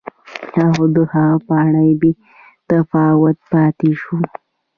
خو د هغه په اړه بې تفاوت پاتې شو.